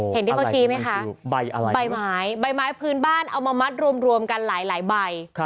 เห็นที่เขาชี้ไหมคะใบอะไรใบไม้ใบไม้พื้นบ้านเอามามัดรวมกันหลายใบ